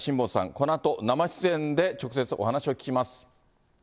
このあと生出演で直接お話を聞きます。